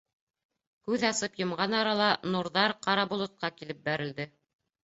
Күҙ асып йомған арала нурҙар Ҡара болотҡа килеп бәрелде.